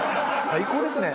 最高ですね。